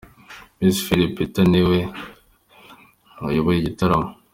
Mc Phil Peter niwe wayoboye igitaramo.